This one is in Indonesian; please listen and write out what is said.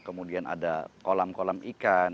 kemudian ada kolam kolam ikan